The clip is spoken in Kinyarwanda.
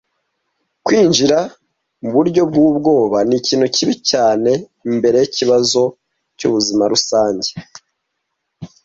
kwinjira muburyo bwubwoba, nikintu kibi cyane imbere yikibazo cyubuzima rusange.